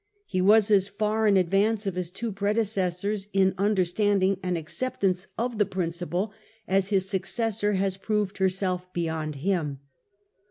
He was as far in advance of his two predecessors in understanding and acceptance of the principle as his successor has proved herself beyond him.